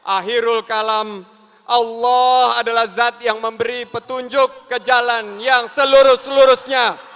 akhirul kalam allah adalah zat yang memberi petunjuk ke jalan yang seluruh seluruhnya